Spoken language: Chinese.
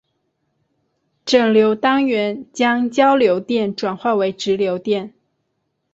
整流单元将交流电转化为直流电。